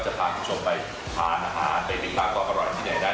จะพาคุณผู้ชมไปหาอาหารไปมีความอร่อยที่ไหนนะ